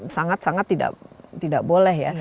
sangat sangat tidak boleh ya